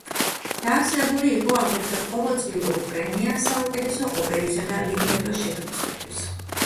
დაარსებული იყო აგრეთვე ყოველწლიური პრემია საუკეთესო ოპერისა და ლიბრეტოს შექმნისათვის.